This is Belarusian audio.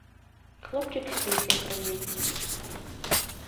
Хлопчык спіць, як раней.